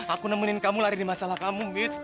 aku nemenin kamu lari di masalah kamu